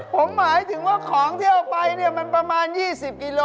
ผมหมายถึงว่าของที่เอาไปเนี่ยมันประมาณ๒๐กิโล